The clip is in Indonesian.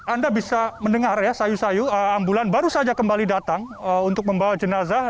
anda bisa mendengar ya sayu sayu ambulan baru saja kembali datang untuk membawa jenazah